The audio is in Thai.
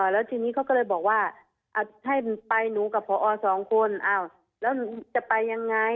แล้วทีนี้เขาก็เลยบอกว่าให้ไปหนูกับพอสองคนอ้าวแล้วจะไปยังไง